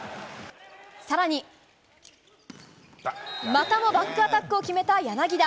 更にまたもバックアタックを決めた柳田。